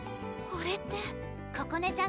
これってここね